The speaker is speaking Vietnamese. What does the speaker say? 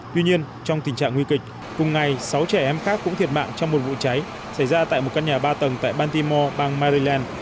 tuy nhiên trong tình trạng nguy kịch cùng ngày sáu trẻ em khác cũng thiệt mạng trong một vụ cháy xảy ra tại một căn nhà ba tầng tại banty mall bang maryland